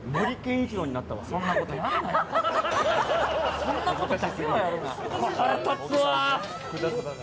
そんなことやるなや！